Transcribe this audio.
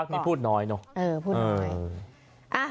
พักนี้พูดน้อยเนอะ